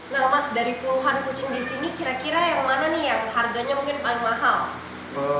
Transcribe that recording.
nah mas dari puluhan kucing di sini kira kira yang mana nih yang harganya mungkin paling mahal